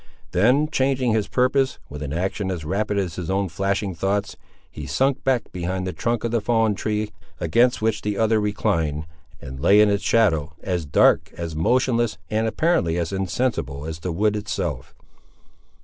Then changing his purpose, with an action as rapid as his own flashing thoughts, he sunk back behind the trunk of the fallen tree against which the other reclined, and lay in its shadow, as dark, as motionless, and apparently as insensible as the wood itself.